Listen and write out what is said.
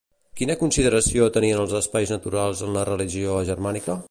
Quina consideració tenien els espais naturals en la religió germànica?